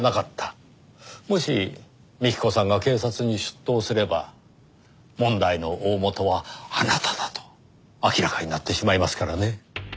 もし幹子さんが警察に出頭すれば問題の大本はあなただと明らかになってしまいますからね。